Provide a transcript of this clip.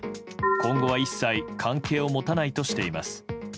今後は一切関係を持たないとしています。